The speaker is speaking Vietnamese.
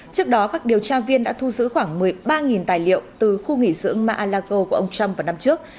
trước đó các điều tra viên đã thu giữ khoảng một mươi ba tài liệu từ khu nghỉ dưỡng ma alago của ông trump vào năm trước